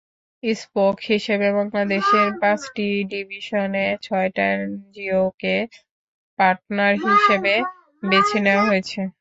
Spoke হিসেবে বাংলাদেশের পাঁচটি ডিভিশনে ছয়টা এনজিওকে পার্টনার হিসেবে বেছে নেওয়া হয়েছে।